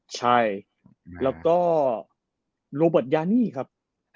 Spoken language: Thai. ใช่แล้วก็โรบอทยานี่ครับ